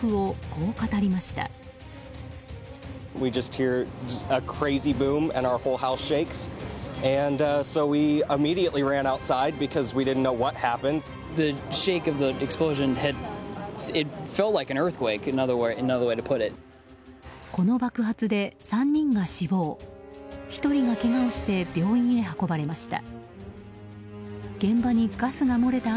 この爆発で３人が死亡１人がけがをして病院へ運ばれました。